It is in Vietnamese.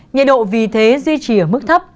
nhiệt độ vì thế duy trì ở mức thấp